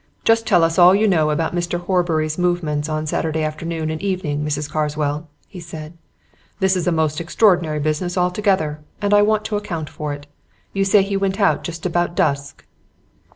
"Just tell us all you know about Mr. Horbury's movements on Saturday afternoon and evening, Mrs. Carswell," he said. "This is a most extraordinary business altogether, and I want to account for it. You say he went out just about dusk."